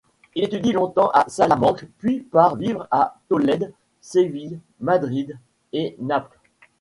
Il étudie longtemps à Salamanque, puis part vivre à Tolède, Séville, Madrid et Naples.